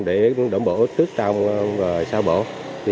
để đổ bổ trước trăm phần trăm